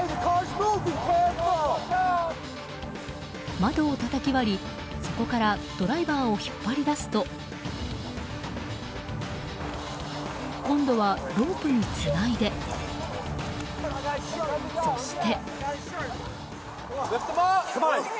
窓をたたき割り、そこからドライバーを引っ張り出すと今度はロープにつないでそして。